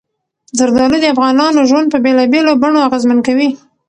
زردالو د افغانانو ژوند په بېلابېلو بڼو اغېزمن کوي.